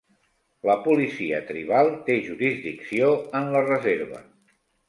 La policia tribal té jurisdicció en la reserva.